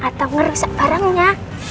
atau ngerusak barangnya